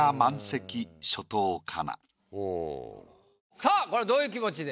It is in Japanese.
さあこれはどういう気持ちで？